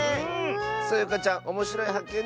そよかちゃんおもしろいはっけん